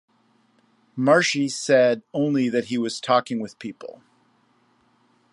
Marchi said only that he was talking with people.